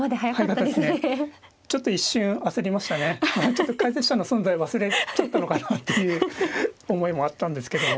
ちょっと解説者の存在忘れちゃったのかなという思いもあったんですけども。